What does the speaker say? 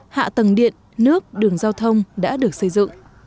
hạ tầng điện nước đường giao thông đã được xây dựng